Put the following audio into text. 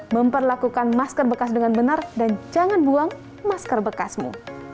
memperlakukan masker bekas dengan benar dan jangan buang masker bekasmu